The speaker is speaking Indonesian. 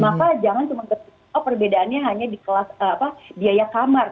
maka jangan cuma perbedaannya hanya di kelas biaya kamar